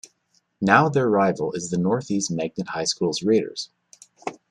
Now their rival is the Northeast Magnet High School's Raiders.